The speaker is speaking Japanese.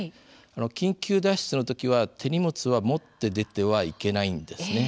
緊急脱出の時は手荷物は持って出てはいけないんですね。